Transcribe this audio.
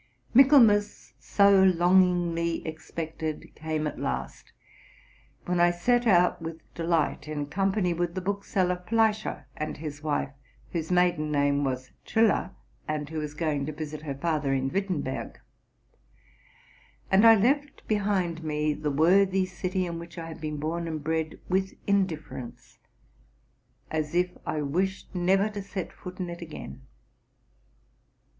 Michaelmas, so longingly expected, came at last, when I set out with delight, in company with the bookseller Fleischer and his wife (whose maiden name was Triller, and who was going to visit her father in Wittemberg) ; and I left behind me the worthy city in which I had been born and bred, with indifference, as if I wished never to set foot in it again.